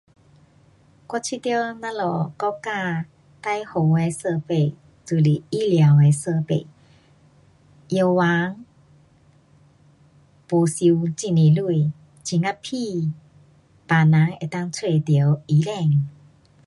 我觉得咱们国家最好的设备就是医疗的设备，药房没收很多钱，很呀便，病人能够找得到医生。